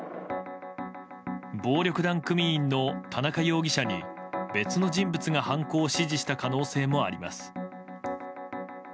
暴力団組員の田中容疑者に別の人物が犯行を指示した可能性もあります。